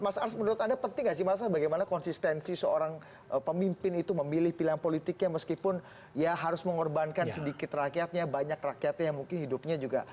mas ars menurut anda penting gak sih mas bagaimana konsistensi seorang pemimpin itu memilih pilihan politiknya meskipun ya harus mengorbankan sedikit rakyatnya banyak rakyatnya yang mungkin hidupnya juga